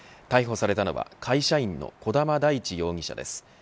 逮捕されたのは会社員の児玉大地容疑者です。